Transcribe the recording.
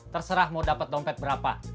terserah mau dapat dompet berapa